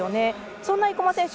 そんな生馬選手